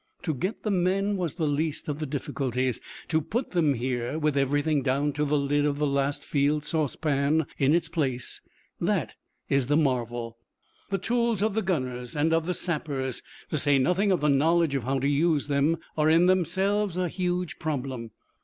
To get the men was the least of the difficulties. To put them here, with everything down to the lid of the last field saucepan in its place, that is the marvel. The tools of the gunners, and of the sappers, to say nothing of the knowledge of how to use them, are in themselves a huge problem.